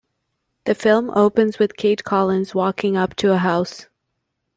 The film opens with Kate Collins walking up to a house.